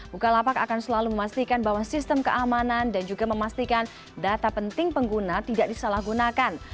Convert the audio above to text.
bukalapak akan selalu memastikan bahwa sistem keamanan dan juga memastikan data penting pengguna tidak disalahgunakan